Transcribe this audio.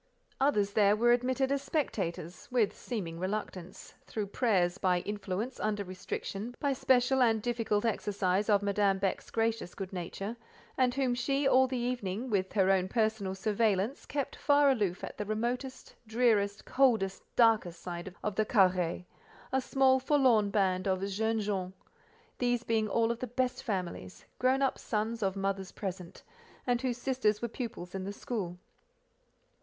Others there were admitted as spectators—with (seeming) reluctance, through prayers, by influence, under restriction, by special and difficult exercise of Madame Beck's gracious good nature, and whom she all the evening—with her own personal surveillance—kept far aloof at the remotest, drearest, coldest, darkest side of the carré—a small, forlorn band of "jeunes gens;" these being all of the best families, grown up sons of mothers present, and whose sisters were pupils in the school.